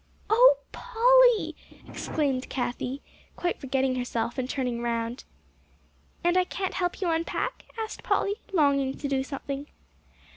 "Oh, Polly!" exclaimed Cathie, quite forgetting herself, and turning around. "And can't I help you unpack?" asked Polly, longing to do something.